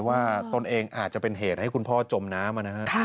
ตนเองอาจจะเป็นเหตุให้คุณพ่อจมน้ำนะฮะ